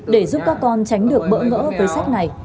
để giúp các con tránh được bỡ ngỡ với sách này